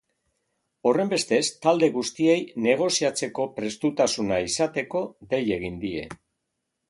Horrenbestez, talde guztiei negoziatzeko prestutasuna izateko dei egin die.